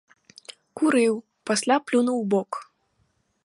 Курыў, пасля плюнуў убок.